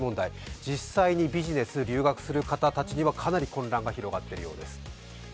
実際にビジネスや留学する人たちにはかなり混乱が広がっているようです。